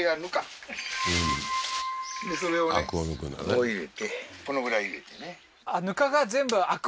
こう入れてこのぐらい入れてね